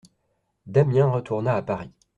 Damiens retourna à Paris.